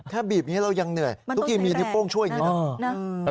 แค่บีบอย่างเหนื่อยทุกคนมีนิ้วโป้งช่วยอย่างนี้นะ